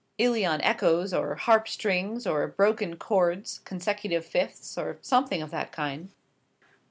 'Æolian Echoes,' or 'Harp Strings,' or 'Broken Chords,' 'Consecutive Fifths,' or something of that kind."